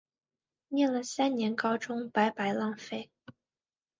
念了三年高中白白浪费